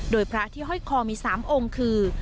โดยพระที่ห้อยคอมี๓องค์คือ